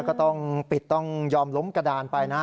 ก็ต้องปิดต้องยอมล้มกระดานไปนะ